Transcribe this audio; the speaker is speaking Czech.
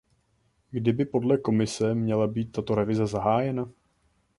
Kdy by podle Komise měla být tato revize zahájena?